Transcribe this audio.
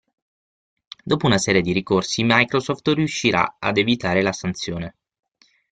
Dopo una serie di ricorsi Microsoft riuscirà ad evitare la sanzione.